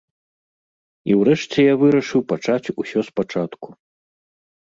І ўрэшце я вырашыў пачаць усё спачатку.